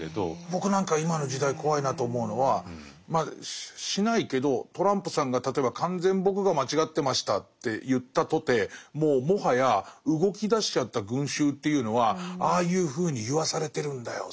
僕なんか今の時代怖いなと思うのはしないけどトランプさんが例えば「完全に僕が間違ってました」って言ったとてもうもはや動きだしちゃった群衆っていうのは「ああいうふうに言わされてるんだよ